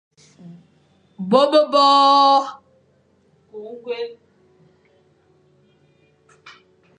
Bo be bôr, des hommes petits, ou peu.